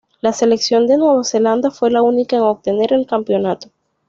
La selección de Nueva Zelanda fue la única en obtener el campeonato.